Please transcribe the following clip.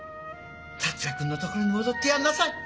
達也君のところに戻ってやりなさい！